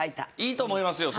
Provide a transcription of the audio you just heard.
いいと思いますよ